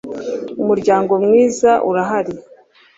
Umuryango mwiza urahari